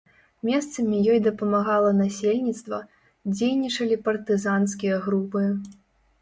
Месцамі ёй дапамагала насельніцтва, дзейнічалі партызанскія групы.